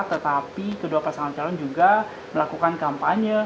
tetapi kedua pasangan calon juga melakukan kampanye